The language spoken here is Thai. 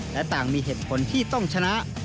และต่างมีเหตุผลที่ต้องชนะ